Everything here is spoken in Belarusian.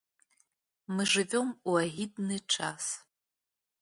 Мы жывём у агідны час.